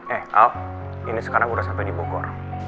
eh al ini sekarang udah sampe di bukor